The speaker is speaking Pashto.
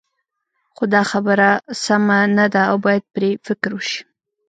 خو دا خبره سمه نه ده او باید پرې فکر وشي.